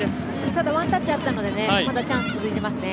ただワンタッチあったのでまだチャンス続いていますね。